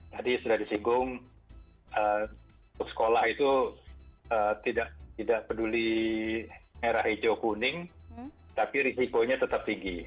tadi sudah disinggung untuk sekolah itu tidak peduli merah hijau kuning tapi risikonya tetap tinggi